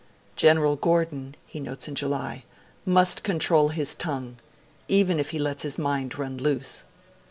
'General Gordon,' he notes in July, 'must control his tongue, even if he lets his mind run loose.'